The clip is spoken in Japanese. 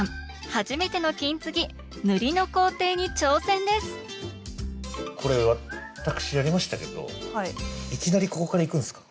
初めての金継ぎこれ私やりましたけどいきなりここからいくんですか？